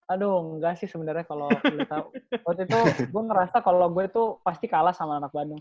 aduh enggak sih sebenarnya kalau waktu itu gue ngerasa kalau gue tuh pasti kalah sama anak bandung